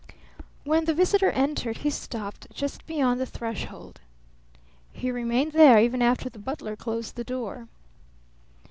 When the visitor entered he stopped just beyond the threshold. He remained there even after the butler closed the door.